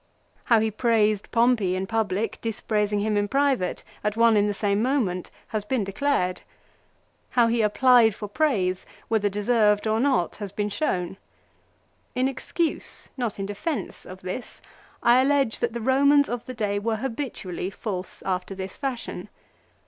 How he praised Pompey in public, dispraising him in private, at one and the same moment, has been declared. How he applied for praise, whether deserved or not, has been shown. In excuse, not in defence, of this I allege that the Eomans of the day were habitually false after this fashion.